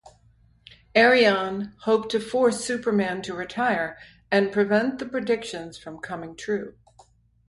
Arion hoped to force Superman to retire and prevent the predictions from coming true.